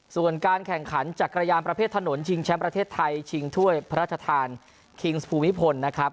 ส่วนการแข่งขันจักรยานประเภทถนนชิงแชมป์ประเทศไทยชิงถ้วยพระราชทานคิงสภูมิพลนะครับ